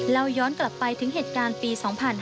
ย้อนกลับไปถึงเหตุการณ์ปี๒๕๕๙